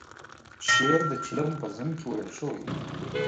شعر د چلم په ذم کې ویل شوی و.